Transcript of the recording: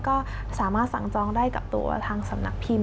ก็สามารถสั่งจองได้กับตัวทางสำนักพิมพ